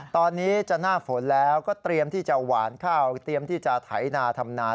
ตอนนี้จะหน้าฝนแล้วก็เตรียมที่จะหวานข้าวเตรียมที่จะไถนาทำนา